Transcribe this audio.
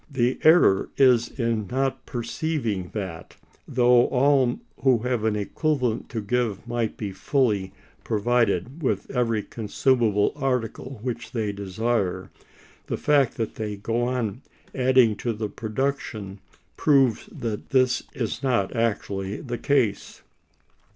The error is in not perceiving that, though all who have an equivalent to give might be fully provided with every consumable article which they desire, the fact that they go on adding to the production proves that this is not actually the case.